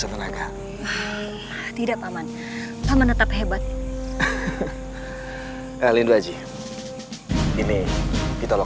untuk apa kamu menanyakan cembeti itu